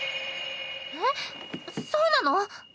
えっそうなの？